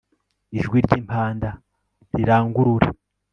ijwi ry'impanda rirangurure